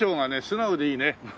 素直でいいね。